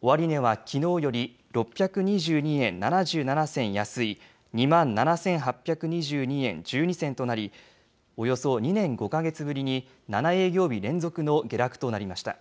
終値はきのうより６２２円７７銭安い、２万７８２２円１２銭となり、およそ２年５か月ぶりに７営業日連続の下落となりました。